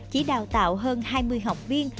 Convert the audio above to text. chỉ đào tạo hơn hai mươi học viên